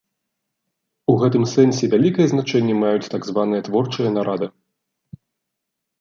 У гэтым сэнсе вялікае значэнне маюць так званыя творчыя нарады.